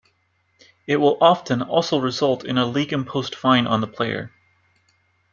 It will often also result in a league-imposed fine on the player.